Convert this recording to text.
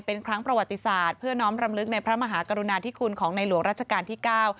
เป็นครั้งประวัติศาสตร์เพื่อน้องรำลึกในพระมหากรุณาธิคุณของในหลวงราชการที่เก้า